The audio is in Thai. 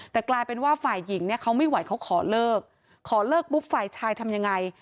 แต่กลายเป็นว่าฝ่ายหญิงเนี่ยเขาไม่ไหวเขาขอเลิกขอเลิกปุ๊บฝ่ายชายทำยังไง